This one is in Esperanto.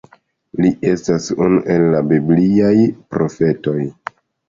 Li estas unu el la bibliaj profetoj.